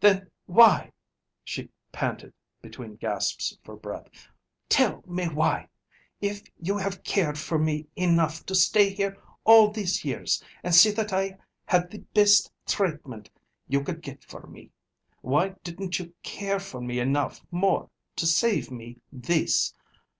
"Then why?" she panted between gasps for breath. "Tell me why? If you have cared for me enough to stay here all these years and see that I had the bist tratemint you could get for me, why didn't you care for me enough more to save me this?